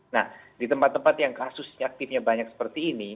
nah di tempat tempat yang kasus aktifnya banyak seperti ini